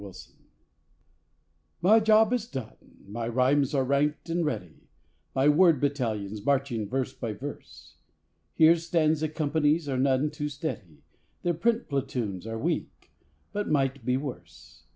L'Envoi My job is done; my rhymes are ranked and ready, My word battalions marching verse by verse; Here stanza companies are none too steady; There print platoons are weak, but might be worse.